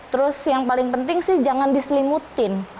terus yang paling penting sih jangan diselimutin